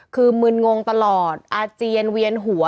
คือมึนงงตลอดอาเจียนเวียนหัว